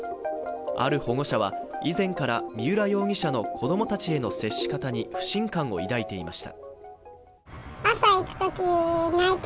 ある保護者は以前から三浦容疑者の子供たちへの接し方に不信感を抱いていました。